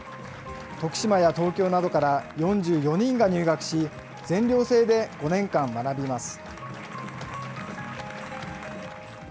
徳島や東京などから４４人が入学し、全寮制で５年間学びます。